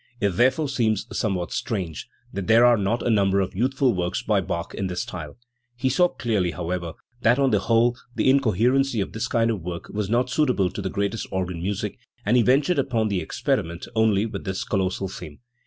It therefore seems somewhat strange that there are not a number of youthful works by Bach in this style. He saw clearly, however, that on the whole the incoherency of this kind of work was not suitable to the greatest organ music, and he ventured upon the ex periment only with this colossal theme.